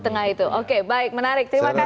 tengah itu oke baik menarik terima kasih